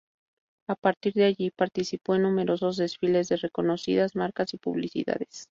A partir de allí participó en numerosos desfiles de reconocidas marcas y publicidades.